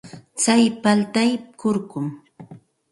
Tsay paltay kurkum.